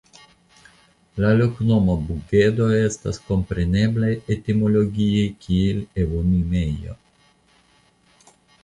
La loknomo "Bugedo" estas komprenebla etimologie kiel Evonimejo.